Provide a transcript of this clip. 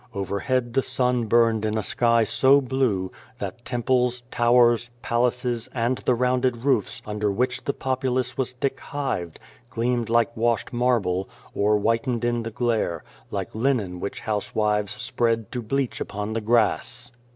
Overhead the sun burned in a sky so blue, that temples, towers, palaces, and the rounded roofs under which the populace was thick hived, gleamed like washed marble, or whitened in the glare, like linen which housewives spread to bleach upon the grass.